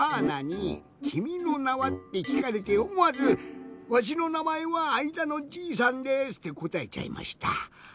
なに「君の名は。」ってきかれておもわず「わしのなまえはあいだのじいさんです」ってこたえちゃいました。